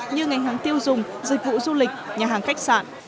như ngành hàng tiêu dùng dịch vụ du lịch nhà hàng khách sạn